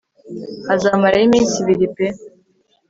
azamarayo iminsi ibiri pe